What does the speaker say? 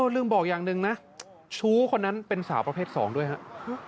ลืมบอกอย่างหนึ่งนะชู้คนนั้นเป็นสาวประเภท๒ด้วยครับ